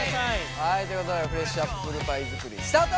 はいということでフレッシュアップルパイ作りスタート！